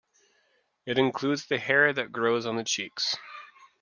It includes the hair that grows on the cheeks.